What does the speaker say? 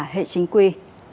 hệ chính quy